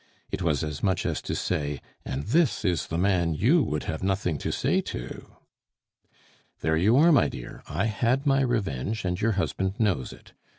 It was as much as to say, "And this is the man you would have nothing to say to!" "There you are my dear; I had my revenge, and your husband knows it.